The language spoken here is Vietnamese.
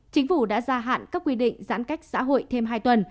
chính phủ đã gia hạn các quy định giãn cách xã hội thêm hai tuần